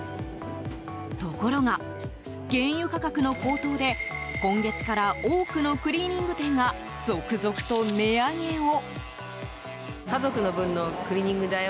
ところが、原油価格の高騰で今月から多くのクリーニング店が続々と値上げを。